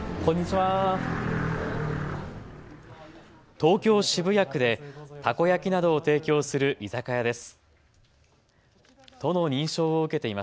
東京渋谷区でたこ焼きなどを提供する居酒屋です。